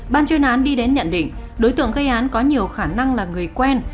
ban chuyên án đi đến nhận định đối tượng gây án có nhiều khả năng là người quen